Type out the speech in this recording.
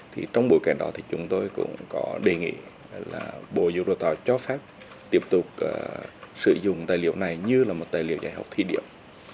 thì trong bối cảnh đó thì chúng tôi cũng có đề nghị là bộ giáo dục đào tạo cho phép tiếp tục sử dụng tài liệu này như là một tài liệu giải học thí điểm